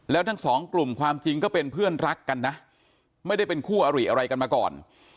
แล้วทั้งสองกลุ่มความจริงก็เป็นเพื่อนรักกันนะไม่ได้เป็นคู่อริอะไรกันมาก่อน